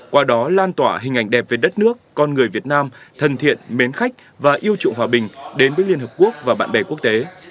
qua đó lan tỏa hình ảnh đẹp về đất nước con người việt nam thân thiện mến khách và yêu trụng hòa bình đến với liên hợp quốc và bạn bè quốc tế